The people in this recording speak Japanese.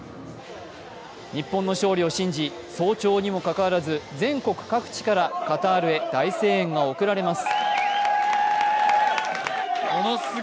日本の勝利を信じ、早朝にもかかわらず全国各地からカタールへ大声援が送られます。